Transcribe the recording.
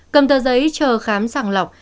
cầm tờ giấy chờ khám sàng lọc